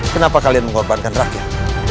kenapa kalian mengorbankan rakyat